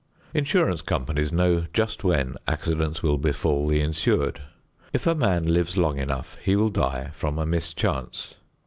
Insurance companies know just when accidents will befall the insured. If a man lives long enough he will die from a mischance.